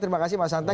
terima kasih mas anta